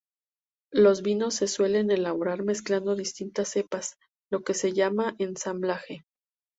Los vinos se suelen elaborar mezclando distintas cepas, lo que se llama ensamblaje.